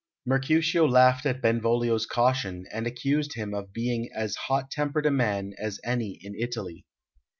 Mercutio laughed at Benvolio's caution, and accused him of being as hot tempered a man as any in Italy.